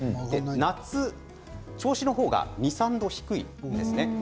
夏、銚子の方が２、３度、低いんです。